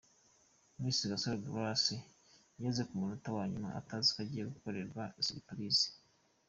Miss Gasaro Grace byageze ku munota wanyuma ataziko agiye gukorerwa siripurize.